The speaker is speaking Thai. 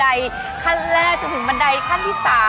ตั้งแต่บันไดขั้นแรกจะถึงบันไดขั้นที่สาม